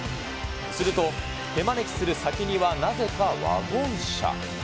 すると、手招きする先にはなぜかワゴン車。